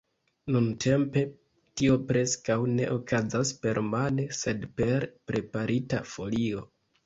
Nuntempe tio preskaŭ ne okazas permane, sed per preparita folio.